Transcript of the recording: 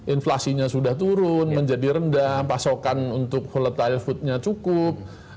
inflasinya sudah turun menjadi rendah pasokan untuk volatile foodnya cukup